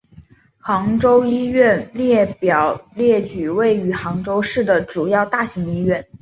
杭州医院列表列举位于杭州市的主要大型医院。